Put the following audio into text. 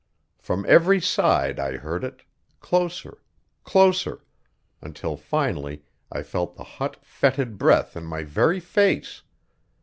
From every side I heard it closer, closer until finally I felt the hot, fetid breath in my very face.